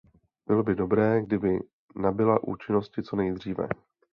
Bylo by dobré, kdyby nabyla účinnosti co nejdříve.